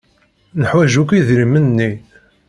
Neḥwaj akk idrimen-nni.